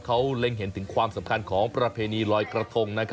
เขาเล็งเห็นถึงความสำคัญของประเพณีลอยกระทง